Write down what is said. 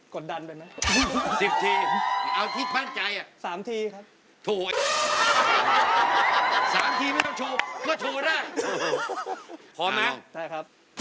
ขอผมดอกขอผมดอก